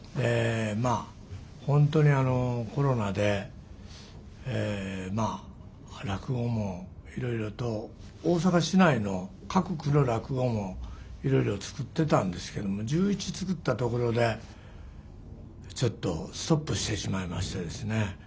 まあ本当にコロナで落語もいろいろと大阪市内の各区の落語もいろいろ作ってたんですけども１１作ったところでちょっとストップしてしまいましてですね。